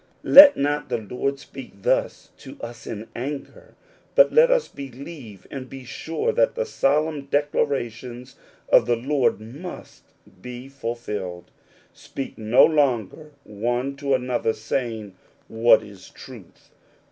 Let not the Lord speak thus to us in anger, but let us believe and be sure that the solemn declara tions of the Lord must be fulfilled. Speak no longer one to another, saying, "What is truth